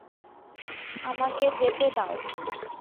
আমাকে যেতে দাও!